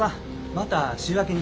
また週明けに。